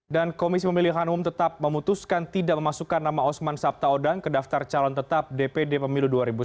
dan komisi pemilihan umum tetap memutuskan tidak memasukkan nama osman sabta odang ke daftar calon tetap dpd pemilu dua ribu sembilan belas